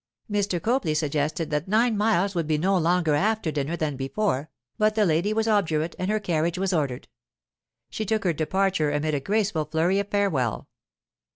Mr. Copley suggested that nine miles would be no longer after dinner than before, but the lady was obdurate and her carriage was ordered. She took her departure amid a graceful flurry of farewell.